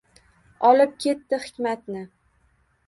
Olib ketdi hikmatni.